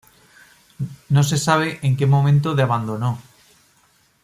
No se sabe en que momento de abandonó.